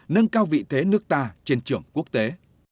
nâng cao vị thế nước ta trên trường quốc tế